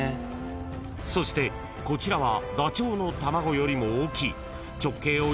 ［そしてこちらはダチョウの卵よりも大きい］